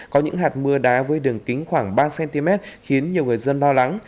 có những hạt mưa đá với đường kính khoảng ba cm khiến nhiều người dân lo lắng